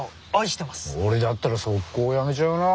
俺だったらソッコー辞めちゃうなあ。